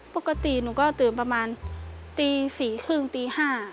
ปกติหนูก็ตื่นประมาณตีสี่ครึ่งตีห้า